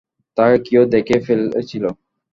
তাকে কেউ দেখে ফেলেছিলো।